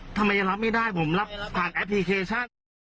อะแล้วทำไมรับไม่ได้ผมรับผ่านแอปพริเคชัน